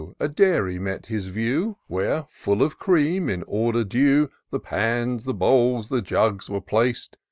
a dairy met his view, Where, full of cream, in order due. The pans, the bowls, the jugs were plac'd.